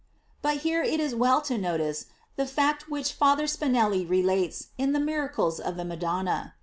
But here it is well to notice the fact which Father Spinelli relates in the "Miracles of the Madonna.